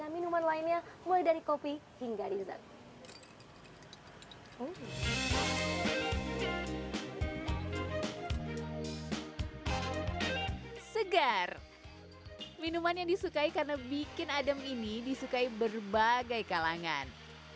minuman yang disukai karena bikin adem ini disukai berbagai kalangan